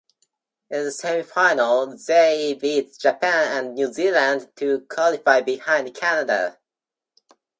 In the semi-final, they beat Japan and New Zealand to qualify behind Canada.